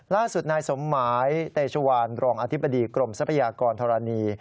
ล่าสุดนายสมหมายเตชวานรองอธิบดีกรมทรัพยากรธรณี